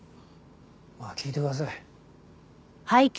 まあ聞いてください。